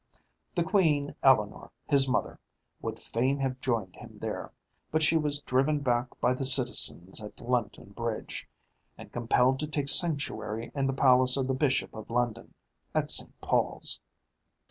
The Queen Eleanor, his mother, would fain have joined him there, but she was driven back by the citizens at London Bridge, and compelled to take sanctuary in the palace of the Bishop of London, at St. Paul's.